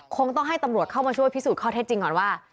คงต้องให้ตำรวจเข้ามาช่วยพิสูจน์ข้อเท็จจริงก่อนว่า